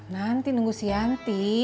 nanti nunggu si yanti